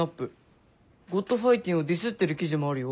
「ｇｏｄファイティン」をディスってる記事もあるよ。